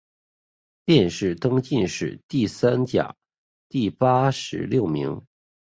殿试登进士第三甲第八十六名。